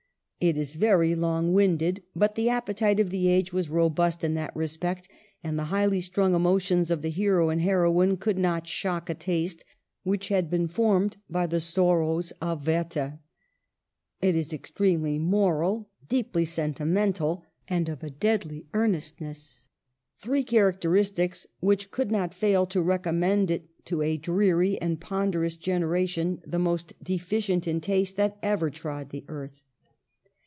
It is very, long winded, but the appetite of the age wag robust in that respect, and the highly strung emotions of the hero and heroine could not shock a taste which had been formed by the Sorrows of Werther, It is extremely moral, deeply sentimental, and of a deadly earnestness — three characteristics which could not fail to recommend it to a dreary and ponderous genera tion, the most deficient in taste that ever trod the earth.